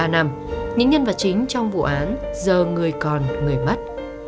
một mươi ba năm những nhân vật chính trong vụ án giờ người còn người mất